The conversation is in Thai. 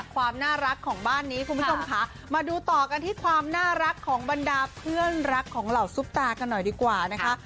คุณพี่สมค้ามาดูต่อกันที่ความน่ารักของบรรดาเพื่อนรักของเหล่าซุปตากันหน่อยดีกว่านะคะ